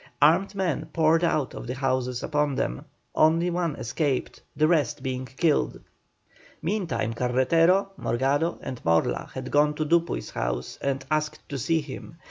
Armed men poured out of the houses upon them; only one escaped, the rest being killed. Meantime Carretero, Morgado, and Morla had gone to Dupuy's house and asked to see him.